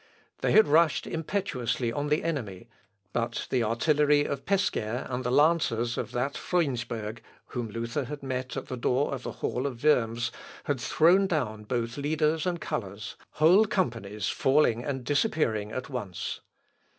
They had rushed impetuously on the enemy, but the artillery of Pescaire and the lancers of that Freundsberg, whom Luther had met at the door of the hall of Worms, had thrown down both leaders and colours, whole companies falling and disappearing at once.